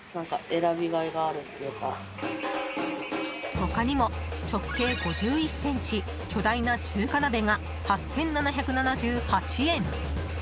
他にも、直径５１ｃｍ巨大な中華鍋が８７７８円。